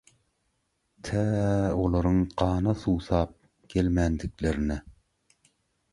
Tä olaryň gana suwsap gelmändiklerine